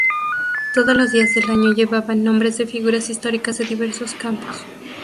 Todos los días del año llevaban nombres de figuras históricas de diversos campos.